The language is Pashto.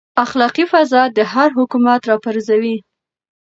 اخلاقي فساد هر حکومت راپرځوي.